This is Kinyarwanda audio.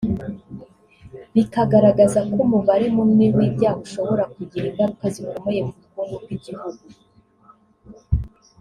bikagaragaza ko umubare munini w’ibyaha ushobora kugira ingaruka zikomeye ku bukungu bw’igihugu